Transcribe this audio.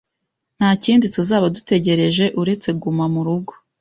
nta kindi tuzaba dutegereje uretse Guma mu rugo.